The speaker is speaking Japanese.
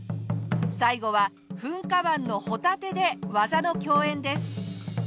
最後は噴火湾のホタテで技の競演です。